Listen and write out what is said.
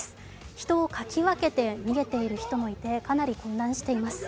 人をかき分けて逃げている人もいて、かなり混乱しています。